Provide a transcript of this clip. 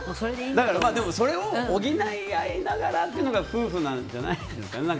それを補い合いながらというのが夫婦なんじゃないですか。